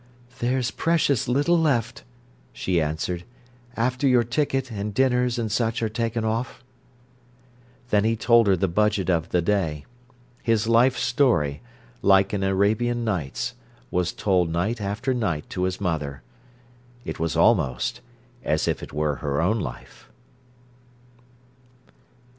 "There's precious little left," she answered, "after your ticket and dinners and such are taken off." Then he told her the budget of the day. His life story, like an Arabian Nights, was told night after night to his mother. It was almost as if it were her own life.